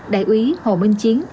đại úy hồ minh chiến